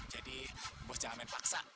jadi bos jangan main paksa